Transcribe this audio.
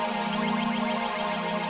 sampai jumpa lagi